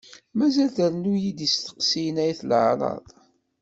Mazal trennu-d isteqsiyen ay at laɛraḍ.